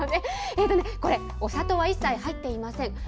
これ、お砂糖は一切、入っていません。